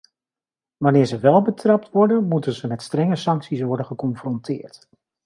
Wanneer ze wel betrapt worden, moeten ze met strenge sancties worden geconfronteerd.